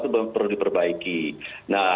itu perlu diperbaiki nah